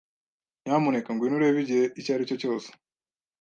Nyamuneka ngwino urebe igihe icyo ari cyo cyose.